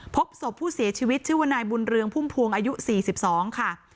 พบศพผู้เสียชีวิตชื่อว่านายบุญเรืองพุ่มพวงอายุ๔๒ค่ะ